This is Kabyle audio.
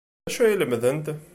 D acu ay la lemmdent?